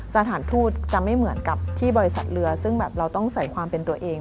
สถานทูตจะไม่เหมือนกับที่บริษัทเรือซึ่งแบบเราต้องใส่ความเป็นตัวเอง